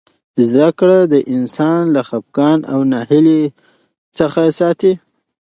زده کړه انسان له خفګان او ناهیلۍ څخه ساتي.